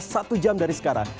satu jam dari sekarang